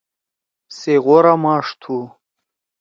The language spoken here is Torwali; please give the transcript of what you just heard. سے غورا ماݜ تُھو۔